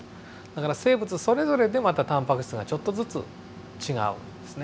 だから生物それぞれでまたタンパク質がちょっとずつ違うんですね。